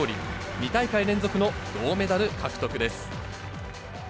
２大会連続の銅メダル獲得です。